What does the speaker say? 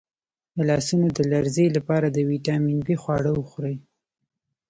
د لاسونو د لرزې لپاره د ویټامین بي خواړه وخورئ